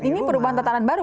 dan ini perubahan tatanan baru